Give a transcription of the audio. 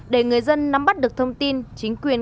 để người dân nắm bắt được thông tin